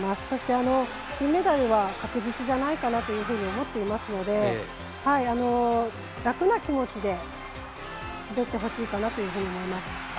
そして、金メダルは確実じゃないかなと思っていますので楽な気持ちで滑ってほしいかなと思います。